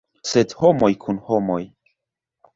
Sed homoj kun homoj.